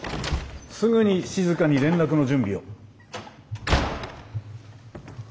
すぐにしずかに連絡の準備を。